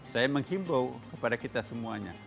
saya menghimbau kepada kita semuanya